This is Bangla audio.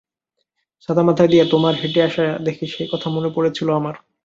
ছাতা মাথায় দিয়ে তোমার হেঁটে আসা দেখে সেই কথা মনে পড়েছিল আমার।